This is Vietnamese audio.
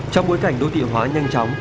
trong bối cảnh đô thị hóa nhanh chóng